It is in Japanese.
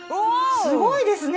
すごいですね！